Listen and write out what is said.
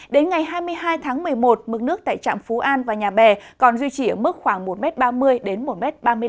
đến ngày hai mươi hai tháng một mươi một mức nước tại trạm phú an và nhà bè còn duy trì ở mức khoảng một ba mươi m đến một ba mươi năm m